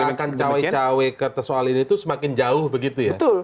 jadi maksudnya mk akan cawe cawe ke soal ini itu semakin jauh begitu ya